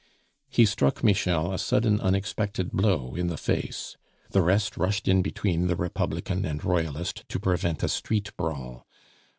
He struck Michel a sudden, unexpected blow in the face. The rest rushed in between the Republican and Royalist, to prevent a street brawl.